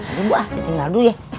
aduh bu saya tinggal dulu ya